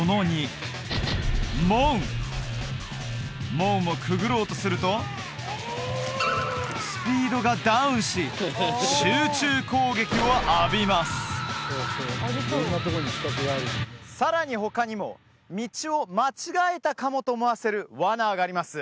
門をくぐろうとするとスピードがダウンし集中攻撃を浴びますさらに他にも道を間違えたかもと思わせるワナがあります